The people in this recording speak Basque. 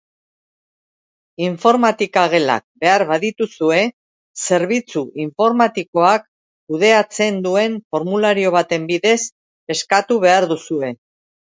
Informatika-gelak behar badituzue, zerbitzu informatikoak kudeatzen duen formulario baten bidez eskatu behar duzue.